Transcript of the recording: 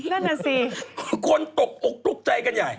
นั่นแหละสิโดยคนตกออกตกใจกันใหญ่